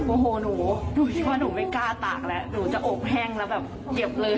โอ้โหหนูหนูคิดว่าหนูไม่กล้าตากแล้วหนูจะอบแห้งแล้วแบบเก็บเลย